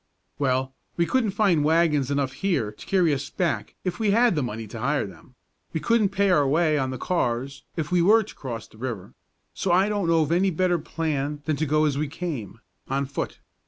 "Well, we couldn't find wagons enough here to carry us back if we had the money to hire them; we couldn't pay our way on the cars if we were to cross the river; so I don't know of any better plan than to go as we came, on foot.